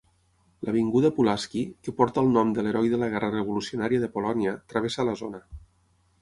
L'avinguda Pulaski, que porta el nom de l'heroi de la Guerra Revolucionària de Polònia, travessa la zona.